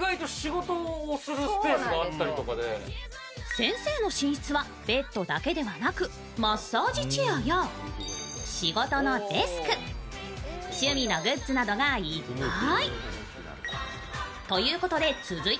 先生の寝室はベッドだけではなく、マッサージチェアや仕事のデスク、趣味のグッズなどがいっぱい。